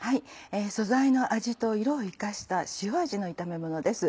素材の味と色を生かした塩味の炒めものです。